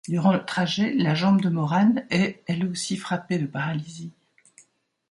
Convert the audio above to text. Durant le trajet, la jambe de Moran est elle aussi frappée de paralysie.